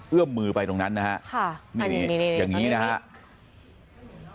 เอื้อมมือไปตรงนั้นนะฮะค่ะนี้นี่นี่นี่